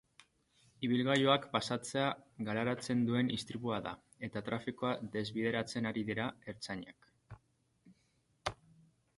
Ibilgailuak pasatzea galarazten duen istripua da, eta trafikoa desbideratzen ari dira ertzainak.